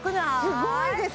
すごいです！